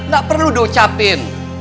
gak perlu diucapin